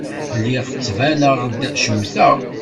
Lliɣ ttbaneɣ-d cemteɣ.